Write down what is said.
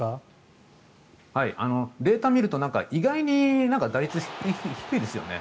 データを見ると意外に打率低いですよね。